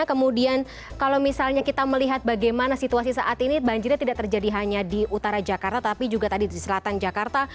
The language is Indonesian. kemudian kalau misalnya kita melihat bagaimana situasi saat ini banjirnya tidak terjadi hanya di utara jakarta tapi juga tadi di selatan jakarta